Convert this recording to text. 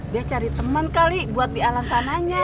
dia cari teman kali buat di alam sananya